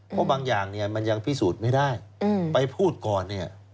เพราะบางอย่างเนี่ยมันยังพิสูจน์ไม่ได้ไปพูดก่อนเนี่ย